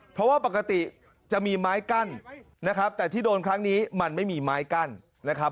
เพราะว่าปกติจะมีไม้กั้นนะครับแต่ที่โดนครั้งนี้มันไม่มีไม้กั้นนะครับ